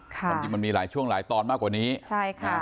ความจริงมันมีหลายช่วงหลายตอนมากกว่านี้ใช่ค่ะ